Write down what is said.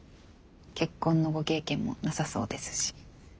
結婚のご経験もなさそうですし。